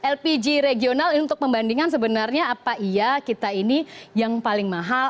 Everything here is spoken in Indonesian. lpg regional ini untuk membandingkan sebenarnya apa iya kita ini yang paling mahal